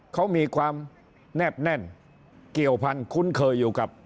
เขามีความแนบแน่นเกี่ยวพันธุ้นเคยอยู่กับ